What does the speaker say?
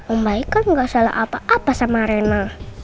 om baik kan gak salah apa apa sama arena